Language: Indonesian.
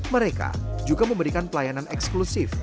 mereka juga memberikan pelayanan eksklusif